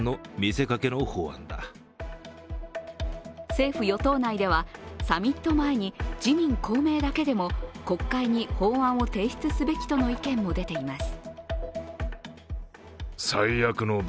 政府与党内ではサミット前に自民・公明だけでも国会に法案を提出すべきとの意見も出ています。